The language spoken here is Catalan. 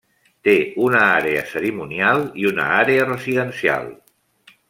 Té una àrea cerimonial i una àrea residencial.